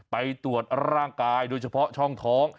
ไปตรวจร่างกายโดยเฉพาะช่องท้อง